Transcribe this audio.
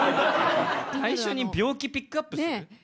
最初に、病気ピックアップする？